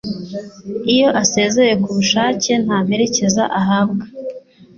iyo asezeye ku bushake nta mperekeza ahabwa